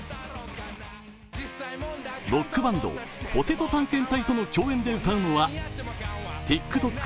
ロックバンド・ポテト探検隊との共演で歌うのはＴｉｋＴｏｋ